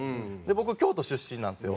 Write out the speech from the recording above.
僕京都出身なんですよ。